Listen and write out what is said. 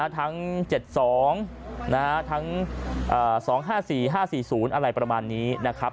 ทั้ง๗๒ทั้ง๒๕๔๕๔๐อะไรประมาณนี้นะครับ